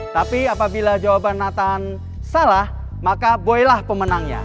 tapi apabila jawaban nathan salah maka boy lah pemenangnya